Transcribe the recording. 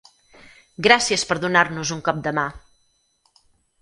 Gràcies per donar-nos un cop de mà!